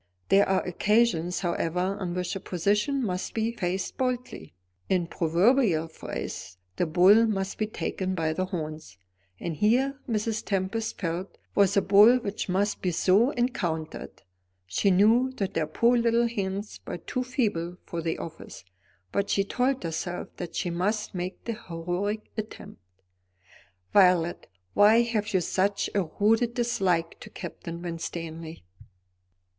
There are occasions, however, on which a position must be faced boldly in proverbial phrase, the bull must be taken by the horns. And here, Mrs. Tempest felt, was a bull which must be so encountered. She knew that her poor little hands were too feeble for the office; but she told herself that she must make the heroic attempt. "Violet, why have you such a rooted dislike to Captain Winstanley?"